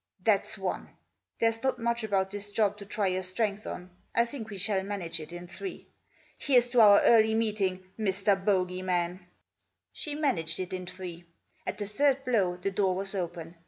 " That's one. There's not much about this job to try your strength on. I think we shall manage it in three. Here's to our early meeting, Mr. Bogey man." She managed it in three. At the third blow the door was open.